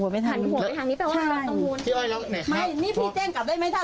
พี่น้องถ่ายไปทางไหนอา